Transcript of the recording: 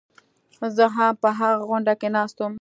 زه هم په هغه غونډه کې ناست وم.